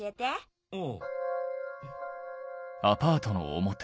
ああ。